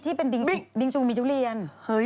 ที่เป็นบิงซูมีางทุเรียน